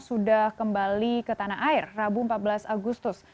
sudah kembali ke tanah air rabu empat belas agustus